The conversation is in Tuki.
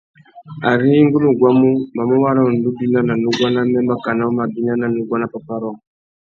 Ari ngu nú guamú, mamú wara undú bina nà nuguá namê makana u má bina ná nuguá nà pápá rôō .